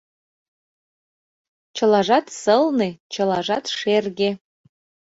Чылажат сылне, чылажат шерге.